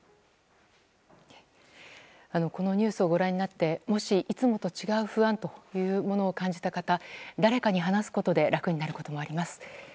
このニュースをご覧になっていつもと違う不安を感じた方、誰かに話すことで楽になることもあります。